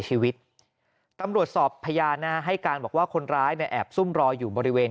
ชีวิตตำรวจสอบพญานาคให้การบอกว่าคนร้ายเนี่ยแอบซุ่มรออยู่บริเวณ